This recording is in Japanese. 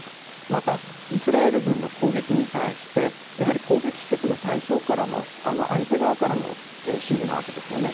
また、イスラエル軍の攻撃に対して攻撃してくる相手側からの指示なわけですよね。